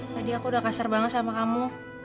tadi aku udah kasar banget sama kamu